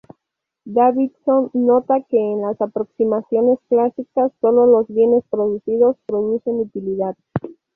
Davidson nota que en las aproximaciones clásicas solo los bienes producidos producen utilidad.